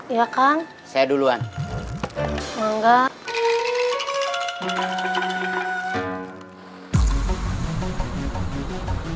iya kan saya duluan enggak